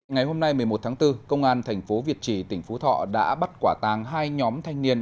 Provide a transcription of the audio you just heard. ngày hôm nay một mươi một tháng bốn công an thành phố việt trì tỉnh phú thọ đã bắt quả tàng hai nhóm thanh niên